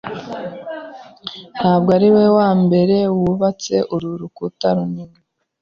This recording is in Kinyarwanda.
ntabwo ari we wa mbere wubatse uru rukuta runini